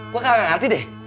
gue kagak ngerti deh